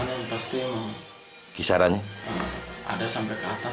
tapi pasti memang ada sampai ke atas sampai seratus ke atas